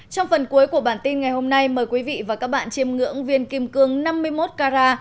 trong phần cuối của bản tin ngày hôm nay mời quý vị và các bạn chiêm ngưỡng viên kim cương năm mươi một cara